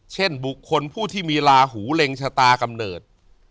เช่นบุคคลผู้ที่มีลาหูเล็งชะตากำเนิด